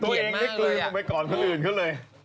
ตัวเองได้กลืนลงไปก่อนคนอื่นเขาเลย